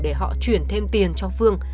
để họ chuyển thêm tiền cho phương